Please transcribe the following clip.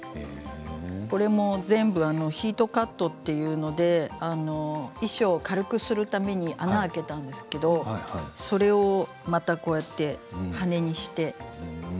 これも全部ヒートカットというので衣装を軽くするために穴を開けたんですけどそれをまたこうやって羽にして。